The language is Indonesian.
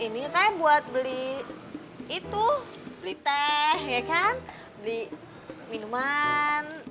ini kan buat beli itu beli teh ya kan beli minuman